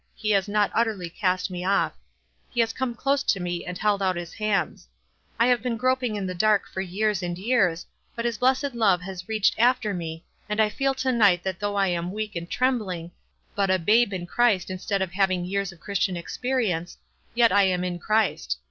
He has not utterly cast me off. He has come close to me and held out his hands. I have been groping in the dark for years and years, but his blessed love has reached after me, and I feel to night that though I am weak and trembling, but a babe in Christ instead of having years of Christian experience, yet I am in Christ.